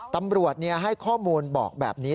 ตำรวจให้ข้อมูลบอกแบบนี้